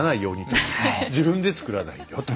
自分でつくらないでよと。